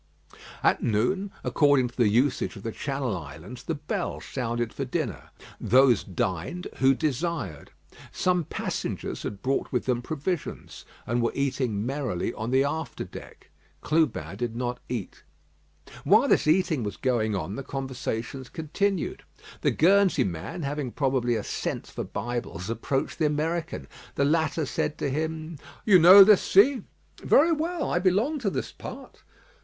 At noon, according to the usage of the Channel Islands, the bell sounded for dinner. Those dined who desired. Some passengers had brought with them provisions, and were eating merrily on the after deck. Clubin did not eat. While this eating was going on, the conversations continued. The Guernsey man, having probably a scent for Bibles, approached the American. The latter said to him: "You know this sea?" "Very well; I belong to this part."